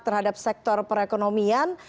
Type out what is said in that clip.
terhadap sektor perekonomian